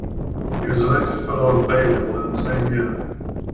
He was elected fellow of Balliol in the same year.